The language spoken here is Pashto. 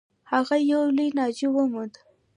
هغه یو لوی ناجو و موند.